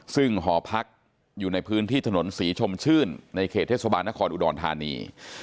ซึ่งหอพักอยู่ในพื้นที่ถนนศรีชมชื่นในเขตเทศบาลนครอุดรธานี